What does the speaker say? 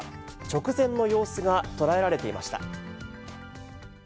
直前の様子が捉えられていました。